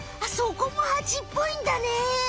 そこもハチっぽいんだね！